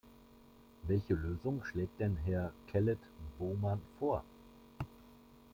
Welche Lösungen schlägt denn Herr Kellett-Bowman vor?